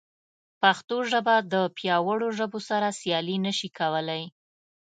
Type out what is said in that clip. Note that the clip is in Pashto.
پښتو ژبه د پیاوړو ژبو سره سیالي نه شي کولی.